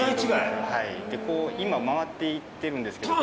今回って行ってるんですけども。